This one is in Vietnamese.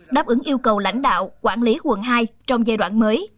đáp ứng yêu cầu lãnh đạo quản lý quận hai trong giai đoạn mới